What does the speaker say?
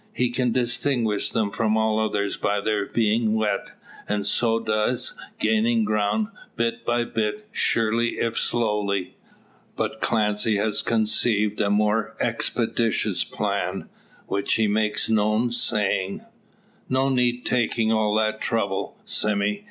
He can distinguish them from all others by their being wet. And so does, gaining ground, bit by bit, surely if slowly. But Clancy has conceived a more expeditious plan, which he makes known, saying: "No need taking all that trouble, Sime.